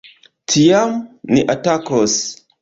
Tiam, ni atakos.